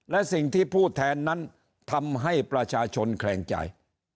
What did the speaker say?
และสิ่งที่ผู้แทนนั้นทำให้ประชาชนแคลงใจ